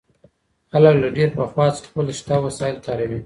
خلګ له ډېر پخوا څخه خپل شته وسايل کاروي.